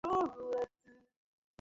ইঁদুর, ফাঁদে পরেছে।